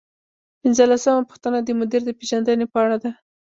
پنځلسمه پوښتنه د مدیر د پیژندنې په اړه ده.